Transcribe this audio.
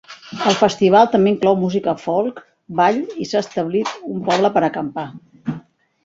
El festival també inclou música folk, ball i s'ha establit un poble per acampar.